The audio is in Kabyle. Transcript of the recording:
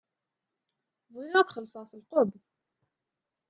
Bɣiɣ ad xellṣeɣ s lqebḍ.